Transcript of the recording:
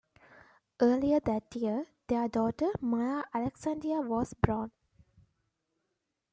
Earlier that year their daughter Maya Alexandria was born.